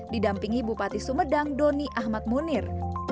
didampingi bupati sumedang doni ahmad munir